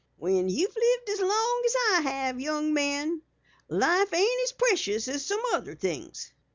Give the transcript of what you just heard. "When you've lived as long as I have, young man, life ain't so precious as some other things."